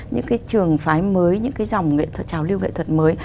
những cái trường phái mới những cái dòng trào lưu nghệ thuật mới